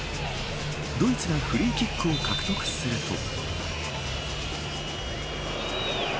ドイツがフリーキックを獲得すると。